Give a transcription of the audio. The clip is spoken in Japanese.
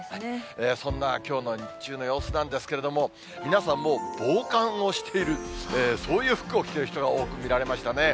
そんなきょうの日中の様子なんですけれども、皆さんもう防寒をしている、そういう服を着ている人が多く見られましたね。